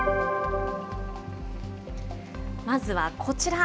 まずはこちら。